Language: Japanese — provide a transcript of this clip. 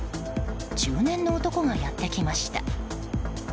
中年の男がやってきました。